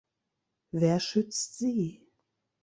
Wer schützt sie?